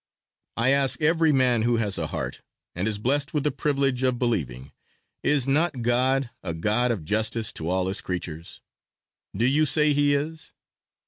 I ask every man who has a heart, and is blessed with the privilege of believing Is not God a God of justice to all his creatures? Do you say he is?